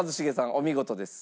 お見事です。